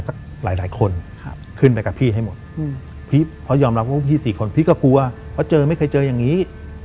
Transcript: ทุกอย่างให้หมดเพราะรับพี่สี่คนพี่ก็กลัวเพราะไม่เคยเจออย่างนี้